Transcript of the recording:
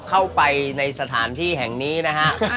เข้าไปในสถานที่แห่งนี้นะฮะ